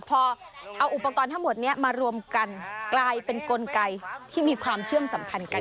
พอเอาอุปกรณ์ทั้งหมดนี้มารวมกันกลายเป็นกลไกที่มีความเชื่อมสัมพันธ์กัน